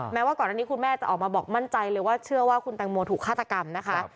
แม้ว่าก่อนอันนี้คุณแม่จะออกมาบอกมั่นใจเลยว่าเชื่อว่าคุณแตงโมถูกฆาตกรรมนะคะ